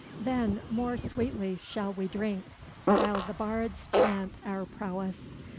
Then more sweetly shall we drink, while the bards chant our prowess.